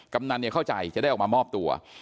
กำนันเข้าใจจะได้ออกมามอบตัว